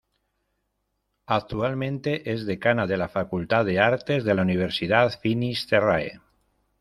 Actualmente, es decana de la Facultad de Artes, de la Universidad Finis Terrae.